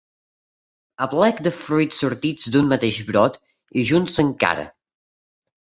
Aplec de fruits sortits d'un mateix brot i junts encara.